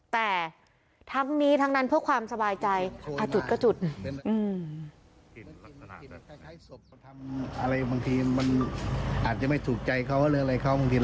แต่ทำนี้ทั้งนั้นเพื่อความสบายใจจุดก็จุด